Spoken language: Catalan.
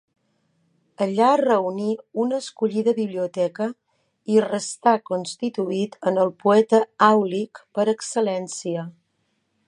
Allà reuní una escollida biblioteca, i restà constituït en el poeta àulic per excel·lència.